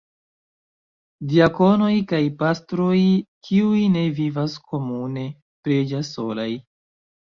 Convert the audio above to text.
Diakonoj kaj pastroj, kiuj ne vivas komune, preĝas solaj.